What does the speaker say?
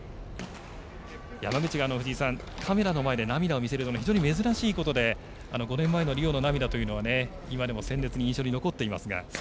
山口が、カメラの前で涙を見せるのは非常に珍しいことで５年前のリオの涙というのは今でも鮮烈に印象に残っていますが。